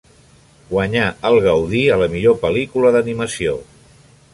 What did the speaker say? Guanyà el Gaudí a la millor pel·lícula d'animació.